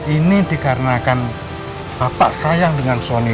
ini dikarenakan bapak sayang dengan sony